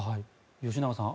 吉永さん